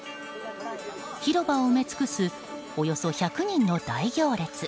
広場を埋め尽くすおよそ１００人の大行列。